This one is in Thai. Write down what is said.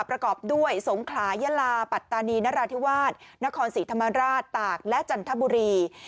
ประกอบด้วยสงขลายลาปัตตานีนราธิวาสนครศรีธรรมราชตากและจันทบุรี